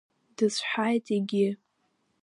Дыцәҳаит егьи.